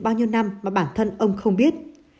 bao nhiêu năm mà bản thân ông không biết